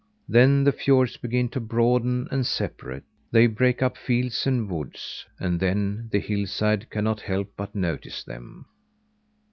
Then the fiords begin to broaden and separate, they break up fields and woods and then the hillside cannot help but notice them.